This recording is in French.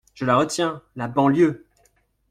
Je la retiens, la banlieue !